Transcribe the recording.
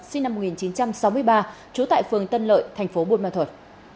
sinh năm một nghìn chín trăm sáu mươi ba trú tại phường tân lợi thành phố buôn ma thuật